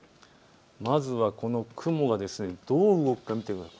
まずはこの雲がどう動くか見てください。